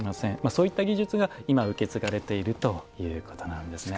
そういう技術が受け継がれているということなんですね。